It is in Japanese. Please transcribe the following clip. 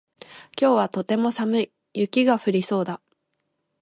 今日はとても寒い。雪が降りそうだ。